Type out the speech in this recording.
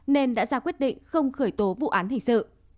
nên đã ra quyết định không khởi tố vụ án hình sự